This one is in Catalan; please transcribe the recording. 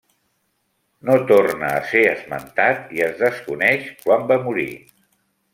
No torna a ser esmentat i es desconeix quan va morir.